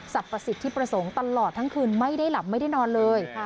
ประสิทธิประสงค์ตลอดทั้งคืนไม่ได้หลับไม่ได้นอนเลย